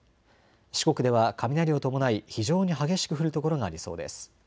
四国では雷を伴い非常に激しく降る所がありそうです。